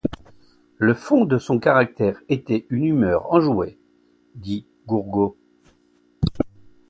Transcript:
Le fond de son caractère était une humeur enjouée, dit Gourgaud.